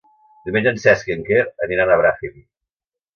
Diumenge en Cesc i en Quer aniran a Bràfim.